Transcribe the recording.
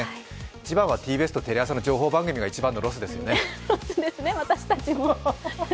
一番はＴＢＳとテレ朝の情報番組が一番のロスですよね。